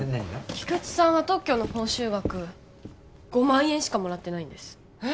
菊池さんは特許の報酬額５万円しかもらってないんです・えッ？